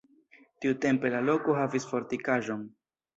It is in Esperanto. Tiutempe la loko havis fortikaĵon.